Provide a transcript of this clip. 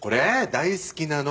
大好きなの。